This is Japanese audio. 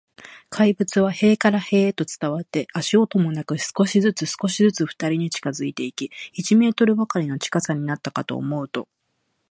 怪物は塀から塀へと伝わって、足音もなく、少しずつ、少しずつ、ふたりに近づいていき、一メートルばかりの近さになったかと思うと、